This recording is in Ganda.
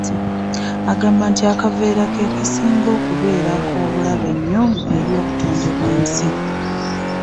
Agamba nti akaveera ke kasinga okubeera ak'obulabe nnyo eri obutonde bw'ensi.